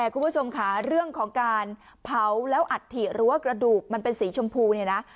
คุณผู้ชมค่ะเรื่องของการเผาแล้วอัฐิหรือว่ากระดูกมันเป็นสีชมพูเนี่ยนะ